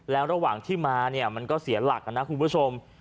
แล้วระหว่างที่มาเนี่ยมันก็เสียหลักนะคุณผู้ชม